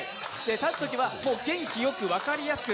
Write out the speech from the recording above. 立つときは元気よく分かりやすく